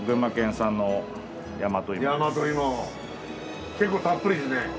大和芋結構たっぷりですね。